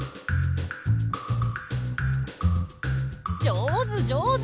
じょうずじょうず。